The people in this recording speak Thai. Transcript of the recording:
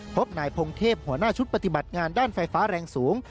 พบนายพงเทพหัวหน้าชุดปฏิบัติงานด้านไฟฟ้าแรงสูง